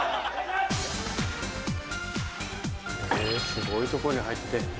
・すごいとこに入って。